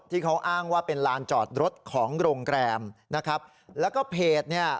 ที่เขาอ้างว่าเป็นลานจอดรถของโรงแรมนะครับแล้วก็เพจเนี่ย